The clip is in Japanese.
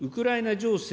情勢